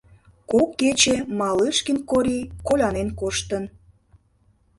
Кок кече Малышкин Корий колянен коштын.